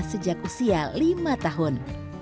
sejak usia lima tahun